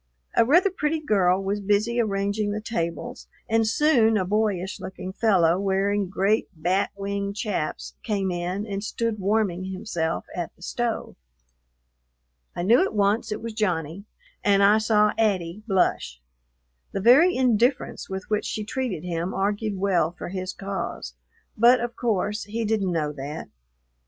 A rather pretty girl was busy arranging the tables, and soon a boyish looking fellow, wearing great bat wing chaps, came in and stood warming himself at the stove. I knew at once it was Johnny, and I saw "'Attie" blush. The very indifference with which she treated him argued well for his cause, but of course he didn't know that.